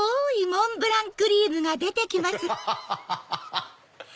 ハハハハ！